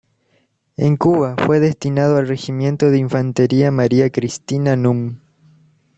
En Cuba fue destinado al Regimiento de Infantería María Cristina núm.